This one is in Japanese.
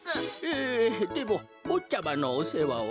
ええでもぼっちゃまのおせわは？